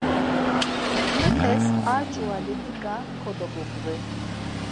Kotumepes ar ç̌uvali diǩa kodobubği.